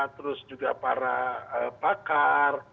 terus juga para pakar